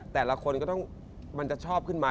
แต่ละคนก็ต้องมันจะชอบขึ้นมา